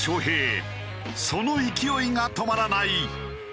その勢いが止まらない。